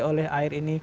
oleh air ini